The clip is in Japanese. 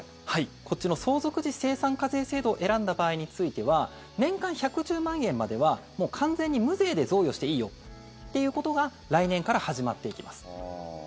こっちの相続時精算課税制度を選んだ場合については年間１１０万円まではもう完全に無税で贈与していいよっていうことが来年から始まっていきます。